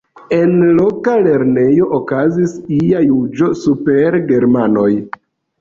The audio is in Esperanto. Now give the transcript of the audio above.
En loka lernejo okazis ia juĝo super germanoj.